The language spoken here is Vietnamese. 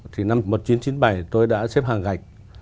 thì năm một nghìn chín trăm chín mươi bảy tôi đã xếp hàng gạch